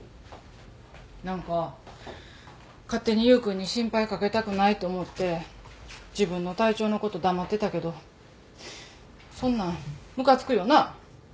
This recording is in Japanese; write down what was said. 何か勝手に優君に心配かけたくないって思って自分の体調のこと黙ってたけどそんなんムカつくよな？